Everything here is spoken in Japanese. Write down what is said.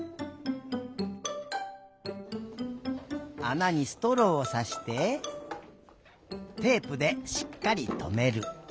あなにストローをさしてテープでしっかりとめる。